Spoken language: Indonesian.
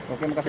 oke makasih pak